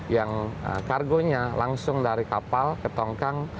yang kargonya langsung dari kapal ke tongkang